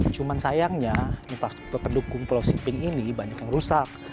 cuma sayangnya infrastruktur pendukung pulau simping ini banyak yang rusak